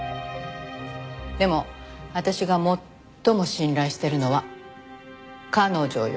でも私が最も信頼しているのは彼女よ。